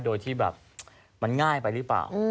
โดยที่แบบมันง่ายไปหรือเปล่า